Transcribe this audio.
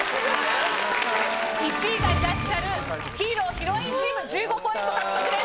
１位がいらっしゃるヒーローヒロインチーム１５ポイント獲得です。